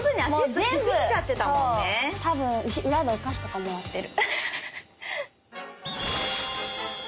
多分裏でお菓子とかもらってる。